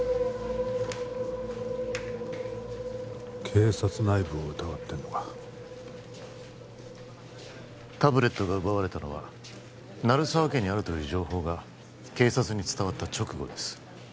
警察内部を疑ってんのかタブレットが奪われたのは鳴沢家にあるという情報が警察に伝わった直後です